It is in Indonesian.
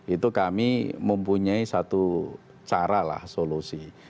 itu kami mempunyai satu cara lah solusi